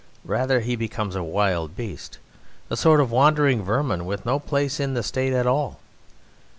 Rather he becomes a wild beast, a sort of wandering vermin with no place in the state at all.